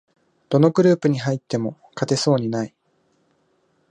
どのグループに入っても勝てそうにない